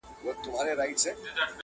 • دا په وينو کي غوريږي -